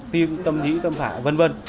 tim tâm nhĩ tâm phải v v